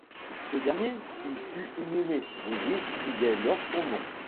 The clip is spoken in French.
Ce dernier y fut inhumé, l’église prit dès lors son nom.